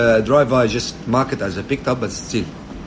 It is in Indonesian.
pengemudi hanya menandatangani pesan dan diantar